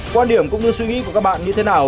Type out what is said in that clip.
quan điểm cũng như suy nghĩ của các bạn như thế nào